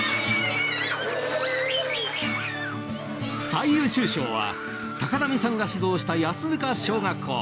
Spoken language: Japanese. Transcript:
最優秀賞は高波さんが指導した安塚小学校。